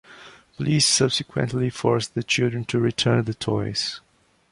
Police subsequently forced the children to return the toys.